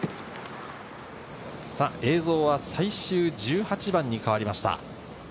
映像は最終１８番に変わりました。